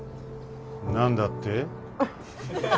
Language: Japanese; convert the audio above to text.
何だって？